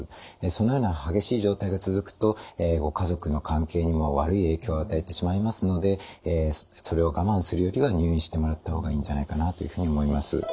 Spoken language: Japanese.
そのような激しい状態が続くとご家族の関係にも悪い影響を与えてしまいますのでそれを我慢するよりは入院してもらった方がいいんじゃないかなというふうに思います。